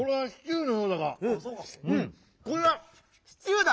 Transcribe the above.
これは「シチュー」だ！